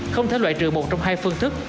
không thể loại trừ một trong hai phương thức